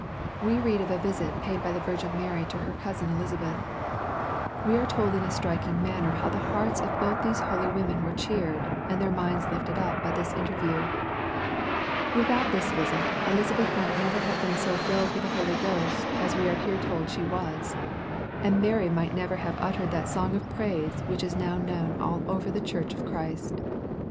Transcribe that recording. We read of a visi t LUKE, CHAP. I. 31 paid by the VirgiD Mary to her cousin Elisabeth. We are told in a striking manner how the hearts of both these holy women were cheered, and their minds lifted up by this interview. Without this visit, Elisabeth might never have been so filled with the Holy Ghost, as we are here told she was ; and Mary might never have uttered that song of praise which is now known all over the Church of Christ.